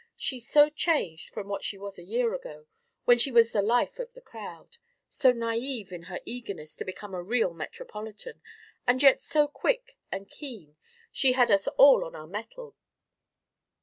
She's so changed from what she was a year ago, when she was the life of the crowd so naïve in her eagerness to become a real metropolitan, and yet so quick and keen she had us all on our mettle.